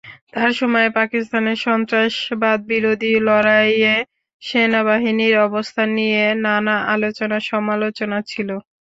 তাঁর সময়ে পাকিস্তানের সন্ত্রাসবাদবিরোধী লড়াইয়ে সেনাবাহিনীর অবস্থান নিয়ে নানা আলোচনা-সমালোচনা ছিল।